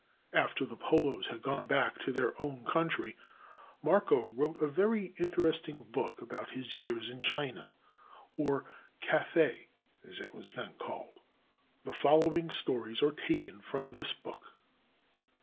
After the Polos had gone back to their own country, Marco wrote a very interesting lOI CHINA book about his years in China, or Cathay, as it was then called. The following stories are taken from this book.